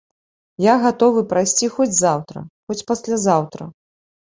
Я гатовы прайсці хоць заўтра, хоць паслязаўтра.